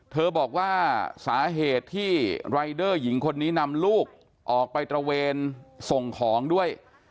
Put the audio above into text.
บอกว่าสาเหตุที่รายเดอร์หญิงคนนี้นำลูกออกไปตระเวนส่งของด้วย